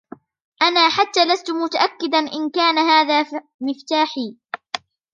أنا حتىَ لستُ متأكداً إن كان هذا مفتاحي.